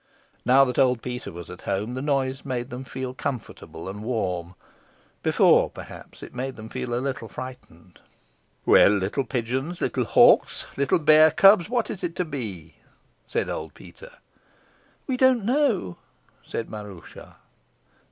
Now that old Peter was at home, the noise made them feel comfortable and warm. Before, perhaps, it made them feel a little frightened. "Well, little pigeons, little hawks, little bear cubs, what is it to be?" said old Peter. "We don't know," said Maroosia.